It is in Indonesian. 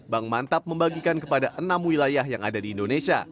bank mantap membagikan kepada enam wilayah yang ada di indonesia